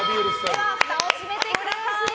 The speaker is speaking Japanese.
ではふたを閉めてください。